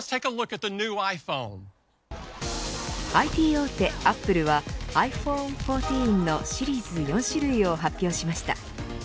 ＩＴ大手アップルはｉＰｈｏｎｅ１４のシリーズ４種類を発表しました。